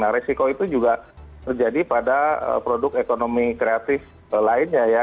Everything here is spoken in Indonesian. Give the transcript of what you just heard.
nah resiko itu juga terjadi pada produk ekonomi kreatif lainnya ya